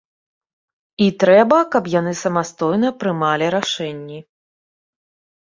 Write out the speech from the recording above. І трэба, каб яны самастойна прымалі рашэнні.